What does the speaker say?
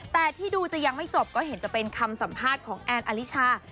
แต่ที่ดูจะยังไม่จบก็เห็นจะเป็นคำสัมภาษณ์ของแอนอลิชา